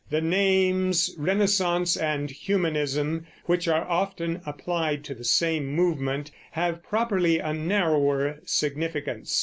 The names Renaissance and Humanism, which are often applied to the same movement, have properly a narrower significance.